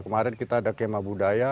kemarin kita ada kema budaya